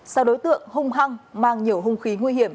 sau đối tượng hung hăng mang nhiều hung khí nguy hiểm